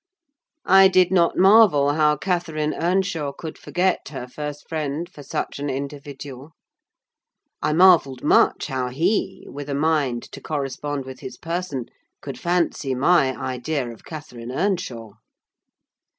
I did not marvel how Catherine Earnshaw could forget her first friend for such an individual. I marvelled much how he, with a mind to correspond with his person, could fancy my idea of Catherine Earnshaw.